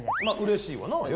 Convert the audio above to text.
まあうれしいわな。